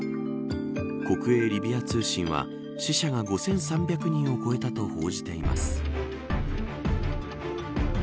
国営リビア通信は死者が５３００人を超えたと報じています。